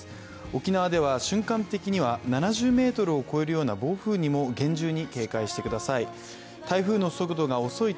沖縄では瞬間的には７０メートルを超えるような暴風にも厳重に警戒してください。